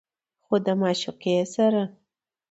خو د معشوقې سره